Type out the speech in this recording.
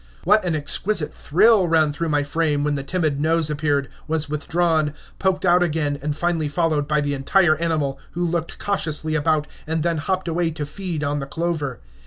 What an exquisite thrill ran through my frame when the timid nose appeared, was withdrawn, poked out again, and finally followed by the entire animal, who looked cautiously about, and then hopped away to feed on the clover.